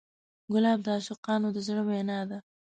ګلاب د عاشقانو د زړه وینا ده.